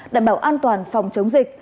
đảm bảo an toàn phòng chống dịch